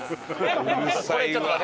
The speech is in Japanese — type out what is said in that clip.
うるさいわ。